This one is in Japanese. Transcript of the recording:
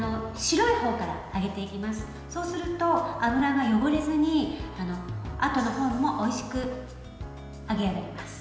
そうすると油が汚れずにあとのほうもおいしく揚げられます。